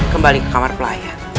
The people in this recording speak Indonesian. kembali ke kamar pelayan